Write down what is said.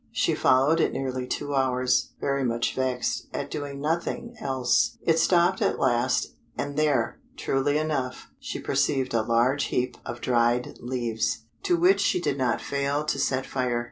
She followed it nearly two hours, very much vexed at doing nothing else. It stopped at last, and there, truly enough, she perceived a large heap of dried leaves, to which she did not fail to set fire.